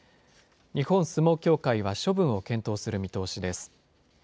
日本相撲協会は処分を検討する見通しです。